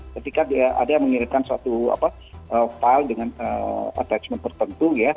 ketika ada yang mengirimkan suatu file dengan attachment tertentu ya